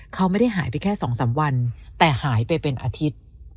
เขาไม่ได้หายไปแค่๒๓วันแต่หายไปเป็นอาทิตย์